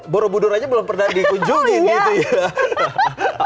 borobudur aja belum pernah dikunjungi gitu ya